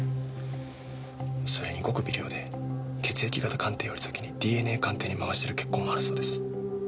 それにごく微量で血液型鑑定より先にＤＮＡ鑑定に回してる血痕もあるそうです。